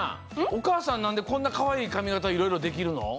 おかあさんなんでこんなかわいいかみがたいろいろできるの？